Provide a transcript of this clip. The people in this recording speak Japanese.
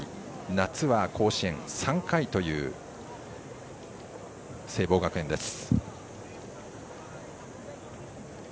夏は甲子園３回という聖望学園です。